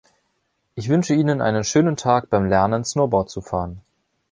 Ich wünsche Ihnen einen schönen Tag beim Lernen Snowboard zu fahren.